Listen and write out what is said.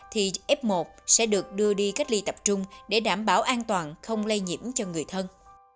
thì f một sẽ được đưa đi cách ly tập trung để đảm bảo an toàn không lây nhiễm cho người thân